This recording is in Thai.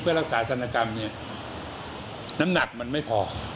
เพื่อรักษาศัลกรรมเนี่ยน้ำหนักมันไม่พอ